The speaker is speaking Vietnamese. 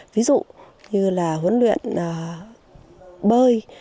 ví dụ như là huấn luyện bơi